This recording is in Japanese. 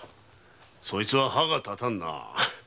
そいつは歯が立たんな。